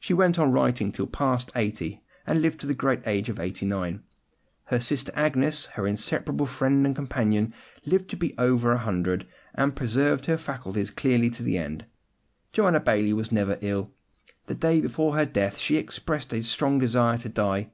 She went on writing till past eighty, and lived to the great age of eighty nine. Her sister Agnes, her inseparable friend and companion, lived to be over a hundred, and preserved her faculties clearly to the end. Joanna Baillie was never ill. The day before her death she expressed a strong desire to die.